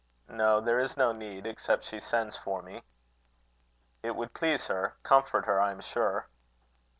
"No; there is no need, except she sends for me." "It would please her comfort her, I am sure."